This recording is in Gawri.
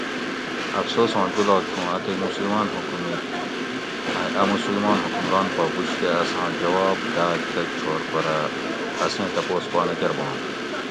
افسوساں جولاگ تھو اوں اتیک مسلماۤن حکومِت مئ اۤ مسلمان حکمران پا بُش کہ اساں جواب داۤگ تہ چھور پرہ اسیں تپوس پا نہ کربانت